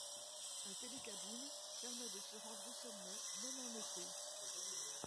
Un télécabine permet de se rendre au sommet même en été.